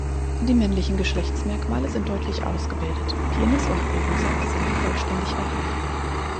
Die männlichen Geschlechtsmerkmale sind deutlich ausgebildet, Penis und Hodensack sind vollständig erhalten.